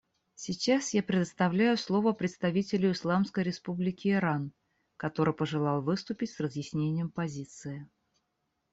Сейчас я предоставляю слово представителю Исламской Республики Иран, который пожелал выступить с разъяснением позиции.